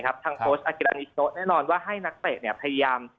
ทางโทรชอาคิดานิชโน่แน่นอนว่าให้นักเตะพยายาม